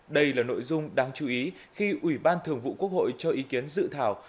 đây là nội dung đáng chú ý khi ủy ban thường vụ quốc hội cho ý kiến dự thảo